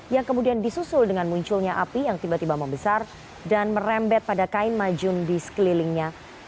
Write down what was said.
yang kemudian disusul dengan munculnya api yang tiba tiba membesar dan merembet pada kain majun di sekelilingnya